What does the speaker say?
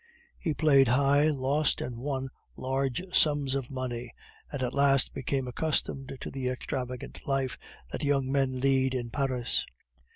He played high, lost and won large sums of money, and at last became accustomed to the extravagant life that young men lead in Paris.